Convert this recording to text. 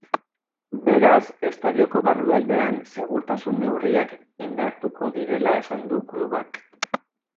Beraz, estadioko barrualdean segurtasun neurriak indartuko direla esan du klubak.